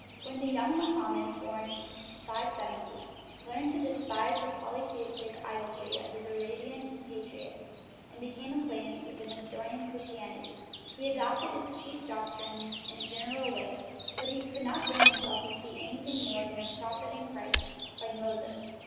When the young Mohammed (born 570) learned to despise the polytheistic idolatry of his Arabian compatriots, and became acquainted with Nestorian Christianity, he 284 GOD AND THE WORLD adopted its chief doctrines in a general way; but he could not bring himself to see anything more than a prophet in Christ, like Moses.